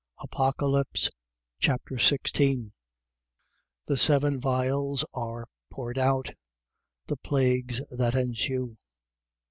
Apocalypse Chapter 16 The seven vials are poured out. The plagues that ensue.